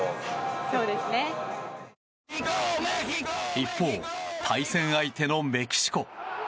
一方、対戦相手のメキシコ。